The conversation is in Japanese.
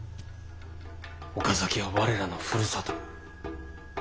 岡崎は我らのふるさと。